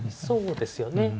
そうですよね。